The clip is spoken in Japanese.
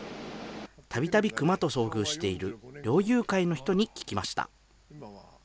たびたびクマと遭遇している猟友会の人に聞きました。